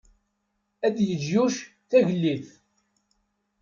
Ad yeǧǧ Yuc Tagellidt.